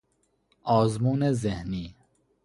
آزمون ذهنی